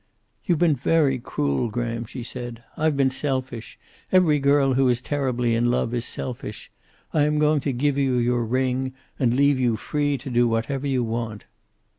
"You've been very cruel, Graham," she said. "I've been selfish. Every girl who is terribly in love is selfish. I am going to give you your ring, and leave you free to do whatever you want."